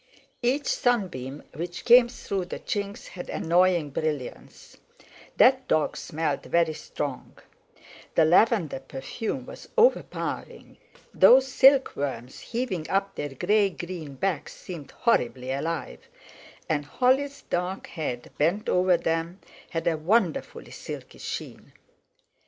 Each sunbeam which came through the chinks had annoying brilliance; that dog smelled very strong; the lavender perfume was overpowering; those silkworms heaving up their grey green backs seemed horribly alive; and Holly's dark head bent over them had a wonderfully silky sheen.